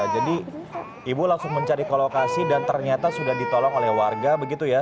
jadi ibu langsung mencari kolokasi dan ternyata sudah ditolong oleh warga begitu ya